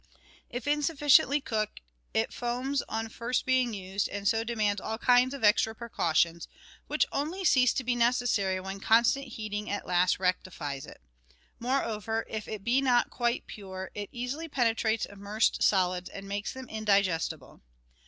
If insufficiently cooked, it foams on first being used, and so demands all kinds of extra precautions, which only cease to be necessary when constant heating at last rectifies it. Moreover, if it be not quite pure, it easily penetrates immersed solids and makes them indigestible.